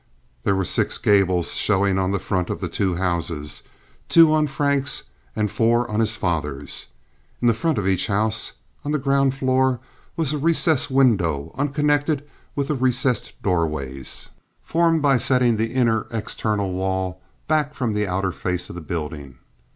There were six gables showing on the front of the two houses, two on Frank's and four on his father's. In the front of each house on the ground floor was a recessed window unconnected with the recessed doorways, formed by setting the inner external wall back from the outer face of the building.